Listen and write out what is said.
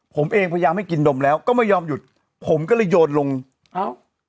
ผมเองพยายามให้กินดมแล้วก็ไม่ยอมหยุดผมก็เลยโยนลงเอ้า